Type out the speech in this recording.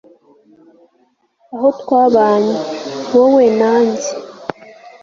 aho twabanye, wowe na njye